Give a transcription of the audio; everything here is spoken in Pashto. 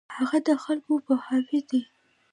هغه د خلکو پوهاوی دی.